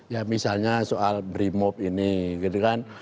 ya misalnya soal brimop ini gitu kan